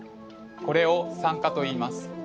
これを酸化といいます。